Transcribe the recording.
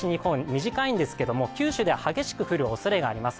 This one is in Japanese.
短いんですけど九州では激しく降るおそれがあります。